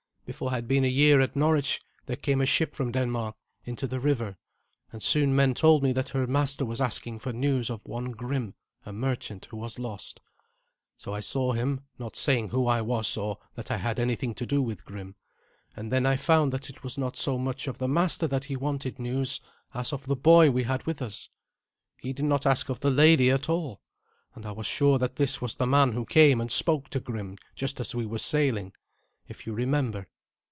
Before I had been a year at Norwich there came a ship from Denmark into the river, and soon men told me that her master was asking for news of one Grim, a merchant, who was lost. So I saw him, not saying who I was or that I had anything to do with Grim; and then I found that it was not so much of the master that he wanted news as of the boy we had with us. He did not ask of the lady at all, and I was sure that this was the man who came and spoke to Grim just as we were sailing, if you remember.